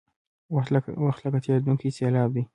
وخت لکه تېرېدونکې سیلاب دی.